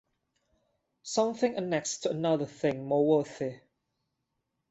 Something annexed to another thing more worthy.